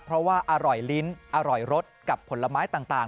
เพราะว่าอร่อยลิ้นอร่อยรสกับผลไม้ต่าง